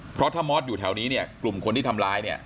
เพราะถ้ามอสอยู่แถวนี้เนี่ยกลุ่มคนที่ทำร้ายเนี่ย